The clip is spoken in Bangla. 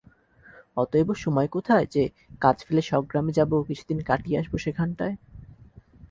অতএব সময় কোথায় যে, কাজ ফেলে স্বগ্রামে যাব, কিছুদিন কাটিয়ে আসব সেখানটায়।